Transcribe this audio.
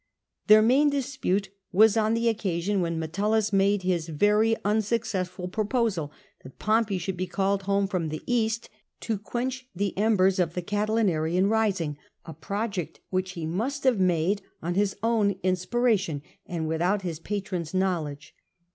Their main dispute was on the occasion when Metellus made his very unnecessary proposal that Pompey should be called home from the Bast, to quench the embers of the Oatilinarian rising, a project which he must have made on his own inspiration and without his patron's knowledge.